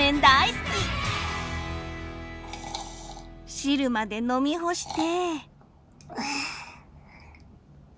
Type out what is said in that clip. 汁まで飲み干して。